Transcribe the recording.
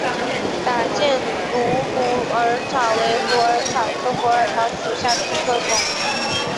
打箭炉虎耳草为虎耳草科虎耳草属下的一个种。